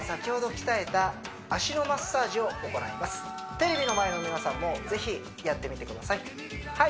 テレビの前の皆さんもぜひやってみてください